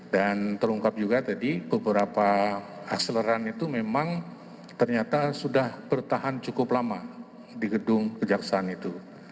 dan terungkap juga tadi beberapa akseleran itu memang ternyata sudah bertahan cukup lama di gedung kejaksaan itu